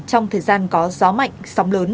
trong thời gian có gió mạnh sóng lớn